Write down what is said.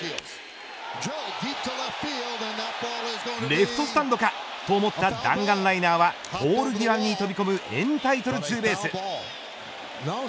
レフトスタンドかと思った弾丸ライナーはポール際に飛び込むエンタイトルツーベース。